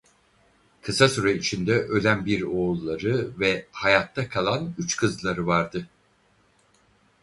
Kısa süre içinde ölen bir oğulları ve hayatta kalan üç kızları vardı.